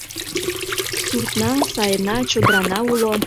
Суртна сайына чодырана уло